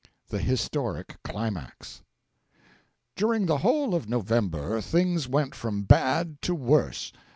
THE HISTORIC CLIMAX During the whole of November things went from bad to worse.